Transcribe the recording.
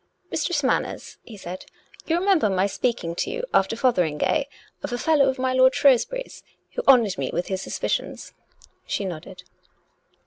" Mistress Manners," he said, " you remember my speak ing to you after Fotheringay, of a fellow of my lord Shrewsbury's who honoured me with his suspicions ?" She nodded.